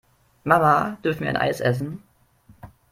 Mama, dürfen wir ein Eis essen?